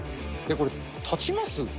これ、立ちます？